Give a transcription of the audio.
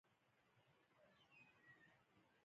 قلم د سولهدوستو قوت دی